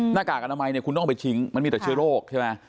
หน้ากากอนามัยเนี่ยคุณต้องไปทิ้งมันมีแต่เชื้อโรคใช่ไหม